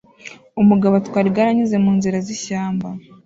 Umugabo atwara igare anyuze munzira zishyamba